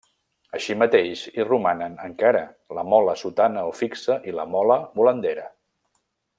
Així mateix hi romanen, encara, la mola sotana o fixa i la mola volandera.